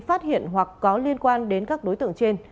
phát hiện hoặc có liên quan đến các đối tượng trên